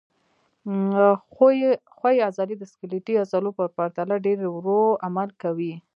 ښویې عضلې د سکلیټي عضلو په پرتله ډېر ورو عمل کوي.